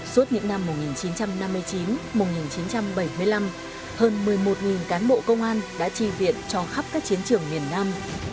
suốt những năm một nghìn chín trăm năm mươi chín một nghìn chín trăm bảy mươi năm hơn một mươi một cán bộ công an đã tri viện cho khắp các chiến trường miền nam